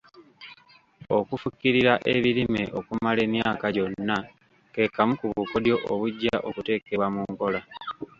Okufukirira ebirime okumala emyaka gyonna ke kamu ku bukodyo obujja okuteekebwa mu nkola.